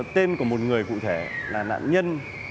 tên của một người cụ thể là nạn nhân